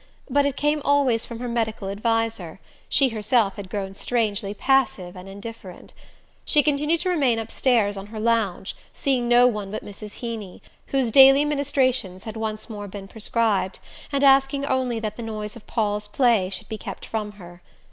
But it came always from her medical adviser: she herself had grown strangely passive and indifferent. She continued to remain upstairs on her lounge, seeing no one but Mrs. Heeny, whose daily ministrations had once more been prescribed, and asking only that the noise of Paul's play should be kept from her.